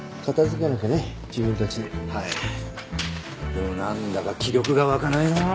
でもなんだか気力が湧かないなあ。